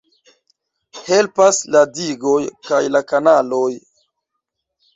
Helpas la digoj kaj la kanaloj.